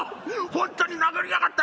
本当に殴りやがったな！